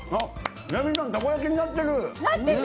レミさんタコ焼きになってる！